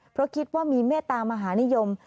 เพราะคิดว่ามีเมตตามหานิยม